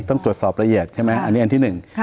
ต้องตรวจสอบละเอียดใช่ไหมอันนี้อันที่หนึ่ง